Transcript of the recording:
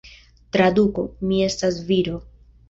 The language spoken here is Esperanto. Traduko: Mi estas viro.